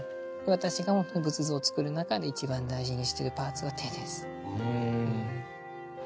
私が仏像を作る中で一番大事にしてるパーツは手です。